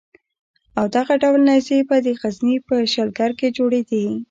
او دغه ډول نېزې به د غزني په شلګر کې جوړېدې.